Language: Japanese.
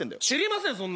知りません